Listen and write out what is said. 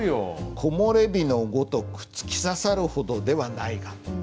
「木漏れ日のごとく、突き刺さる程ではないが」。